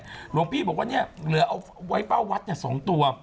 หลวงพี่บอกว่าเนี่ยเหลือเอาไว้เป้าวัด๒ตัว